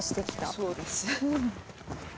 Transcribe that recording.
そうです。